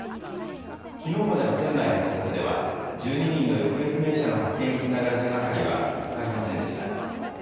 きのうまでの船内の捜索では、１２人の行方不明者の発見につながる手がかりは見つかりませんでした。